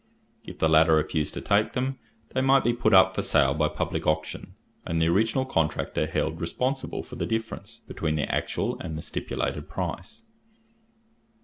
If the latter refused to take them, they might be put up for sale by public auction, and the original contractor held responsible for the difference between the actual and the stipulated price.